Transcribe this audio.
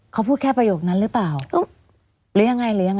เขาพูดแค่ประโยคนั้นรึเปล่าหรือยังไง